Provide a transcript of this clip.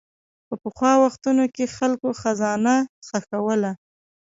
په پخوا وختونو کې خلک خزانه ښخوله.